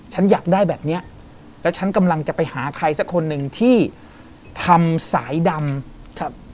ฉันอยากได้แบบเนี้ยแล้วฉันกำลังจะไปหาใครสักคนหนึ่งที่ทำสายดำครับ